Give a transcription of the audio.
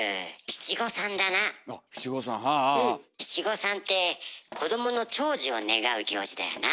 七五三って子どもの長寿を願う行事だよな。